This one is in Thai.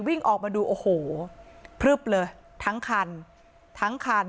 วิ่งออกมาดูโอ้โหพลึบเลยทั้งคันทั้งคัน